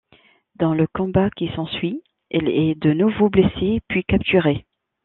Dans le combat qui s'ensuit, elle est de nouveau blessée puis capturée.